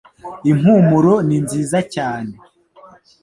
Impumuro ni nziza cyane